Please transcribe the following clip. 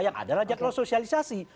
yang adalah jadwal sosialisasi